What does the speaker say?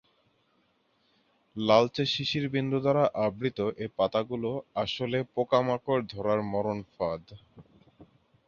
লালচে শিশির বিন্দু দ্বারা আবৃত এ পাতাগুলো আসলে পোকামাকড় ধরার মরণ ফাঁদ।